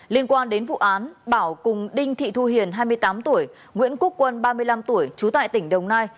liên quan đến vụ án bảo cùng đinh thị thu hiền hai mươi tám tuổi nguyễn quốc quân ba mươi năm tuổi trú tại tỉnh đồng nai